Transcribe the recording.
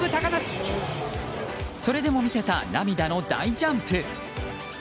それでも見せた涙の大ジャンプ。